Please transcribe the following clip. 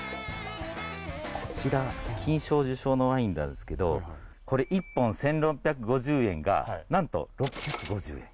こちら金賞受賞のワインですが一本１６５０円がなんと６７５円。